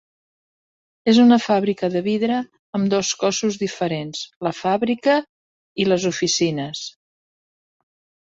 És una fàbrica de vidre amb dos cossos diferenciats, la fàbrica i les oficines.